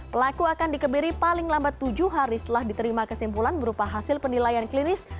pelaku akan dikebiri paling lambat tujuh hari setelah diterima kesimpulan berupa hasil penilaian klinis